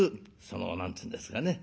その何て言うんですかね